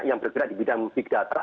yang bergerak di bidang big data